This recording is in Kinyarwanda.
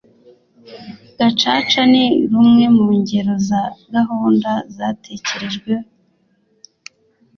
gacaca ni rumwe mu ngero za gahunda zatekerejwe